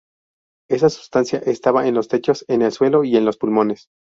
Esa sustancia estaba en los techos, en el suelo y en los pulmones.